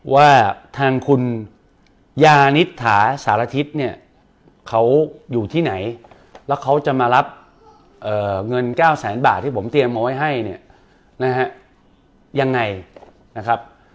ว่าทางคุณยานิษฐาสารทิศเนี่ยเขาอยู่ที่ไหนแล้วเขาจะมารับเงิน๙แสนบาทที่ผมเตรียมเอาไว้ให้เนี่ยนะฮะยังไงนะครับ